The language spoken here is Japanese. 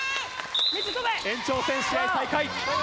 延長戦試合再開。